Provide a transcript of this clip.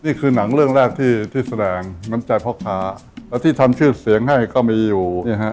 นี่คือหนังเรื่องแรกที่ที่แสดงน้ำใจพ่อค้าแล้วที่ทำชื่อเสียงให้ก็มีอยู่